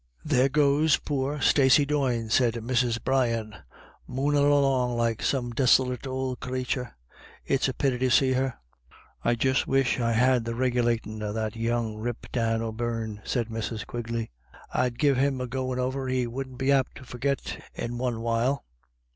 "There goes poor Stacey Doyne," said Mrs. Brian, " moonin' along like some desolit ould crathur; it's a pity to see her." " I just wish I had the regulatin' of that young rip Dan O'Beirne," said Mrs. Quigley ;" I'd give him a goin' over he wouldn't be apt to forgit in one while."